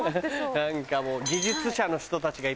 何かもう。